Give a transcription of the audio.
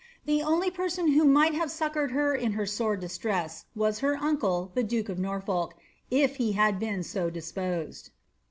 The only person who mifrht have succoured her in her sore distress was her uncle, the duke of Norfolk, if he had been so disposed.